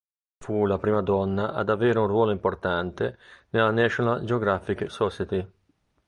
Fu la prima donna ad avere un ruolo importante nella National Geographic Society.